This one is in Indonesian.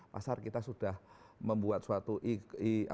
pasar kita sudah membuat suatu e payment ya pakai qris dan seterusnya